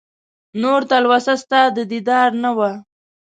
نور تلوسه ستا د دیدار نه وه